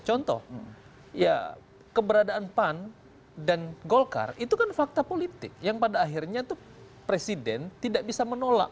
contoh ya keberadaan pan dan golkar itu kan fakta politik yang pada akhirnya tuh presiden tidak bisa menolak